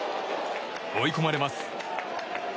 追い込まれます。